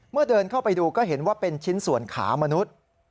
เดินเข้าไปดูก็เห็นว่าเป็นชิ้นส่วนขามนุษย์